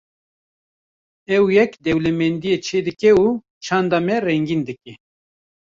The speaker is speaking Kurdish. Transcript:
Ev yek dewlemendiyekê çêdike û çanda me rengîn dike.